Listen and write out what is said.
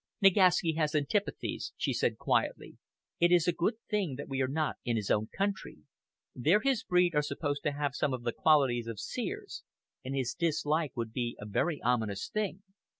"Nagaski has antipathies," she said quietly. "It is a good thing that we are not in his own country. There his breed are supposed to have some of the qualities of seers, and his dislike would be a very ominous thing."